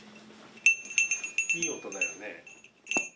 いい音だよね。